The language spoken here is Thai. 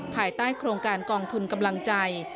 ภายใต้โครงการกองทุนกำลังใจ